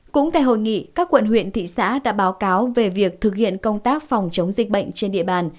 cũng tại hội nghị các quận huyện thị xã đã báo cáo về việc thực hiện công tác phòng chống dịch bệnh trên địa bàn